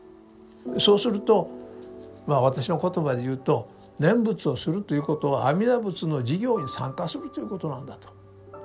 そうするとまあ私の言葉で言うと念仏をするということは「阿弥陀仏の事業に参加する」ということなんだと。